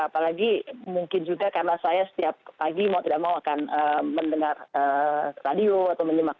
apalagi mungkin juga karena saya setiap pagi mau tidak mau akan mendengar radio atau menyimak